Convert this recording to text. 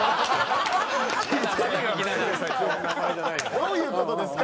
どういう事ですか？